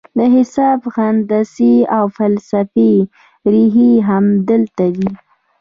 د حساب، هندسې او فلسفې رېښې همدلته دي.